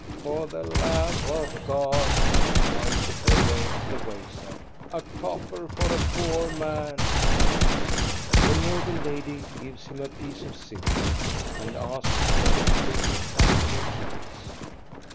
" For the love of God," whines a beggar at the wayside, " a copper for a poor man !" THE BROBY CLERGYMAN 317 The noble lady gives him a piece of silver and asks where the Broby pastorage is.